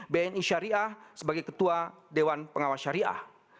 bni syariah sebagai ketua dewan pengawas syariah